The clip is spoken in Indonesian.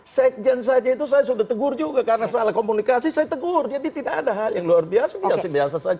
sekjen saja itu saya sudah tegur juga karena salah komunikasi saya tegur jadi tidak ada hal yang luar biasa biasa saja